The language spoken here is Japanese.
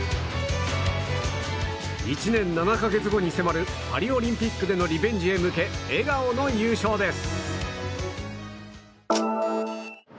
１年７か月後に迫るパリオリンピックでのリベンジへ向け笑顔の優勝です。